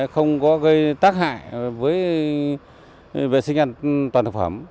không có gây tác hại với vệ sinh ăn toàn thực phẩm